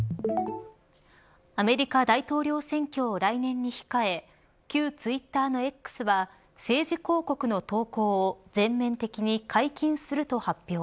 アメリカ大統領選挙を来年に控え旧ツイッターのＸは政治広告の投稿を全面的に解禁すると発表。